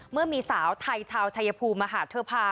เมื่อมีสาวไทยชาวชายภูมิมาหาเธอพา